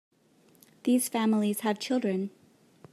These families have children.